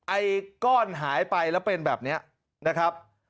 ไอ้ก้อนหายไปแล้วเป็นแบบนี้นะครับ